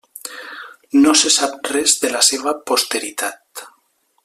No se sap res de la seva posteritat.